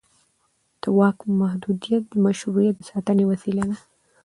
د واک محدودیت د مشروعیت د ساتنې وسیله ده